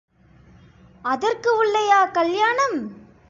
அதற்கு உள்ளேயா கல்யாணம்?